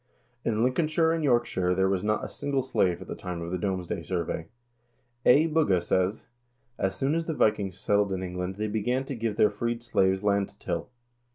In Lincolnshire and Yorkshire there was not a single slave at the time of the Domesday survey. A. Bugge says :" As soon as the Vikings settled in England they began to give their freed slaves land to till.